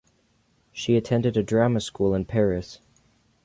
She attended a drama school in Paris.